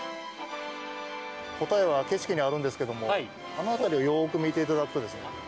答えは景色にあるんですけどもあの辺りをよく見て頂くとですね。